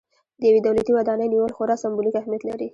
د یوې دولتي ودانۍ نیول خورا سمبولیک اهمیت لري.